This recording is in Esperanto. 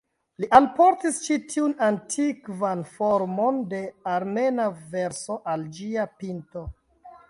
Li alportis ĉi tiun antikvan formon de armena verso al ĝia pinto.